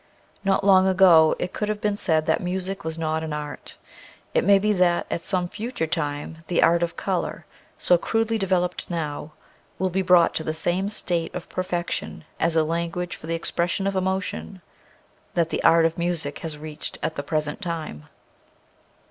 Not long ago it could have been said that music was not an art. It may be that at some future time the art of color, so crudely developed now, will be brought to the same state of perfection as a language for the expression of emotion that the art of music has reached at the present time.